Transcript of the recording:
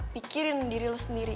pikirin diri lo sendiri